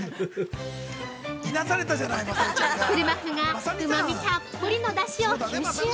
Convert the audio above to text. ◆車麩が、うまみたっぷりのだしを吸収。